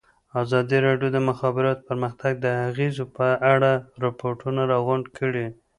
ازادي راډیو د د مخابراتو پرمختګ د اغېزو په اړه ریپوټونه راغونډ کړي.